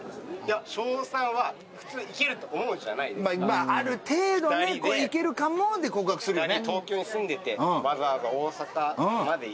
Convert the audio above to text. まっある程度ねいけるかもで告白するよね。